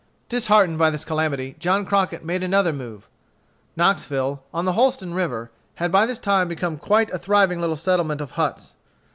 Disheartened by this calamity, John Crockett made another move. Knoxville, on the Holston River, had by this time become quite a thriving little settlement of log huts.